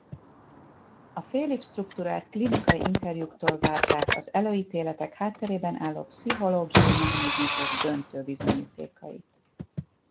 A félig strukturált klinikai interjúktól várták az előítélek hátterében álló pszichológiai mechanizmusok döntő bizonyítékait.